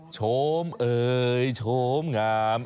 โชมเอ่ยโฉมงาม